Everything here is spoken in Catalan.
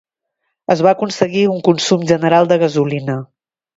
Es va aconseguir un consum general de gasolina.